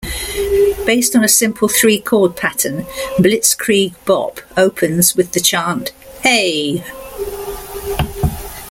Based on a simple three-chord pattern, "Blitzkrieg Bop" opens with the chant "Hey!